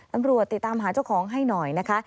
ติดตามหาเจ้าของให้หน่อยนะคะ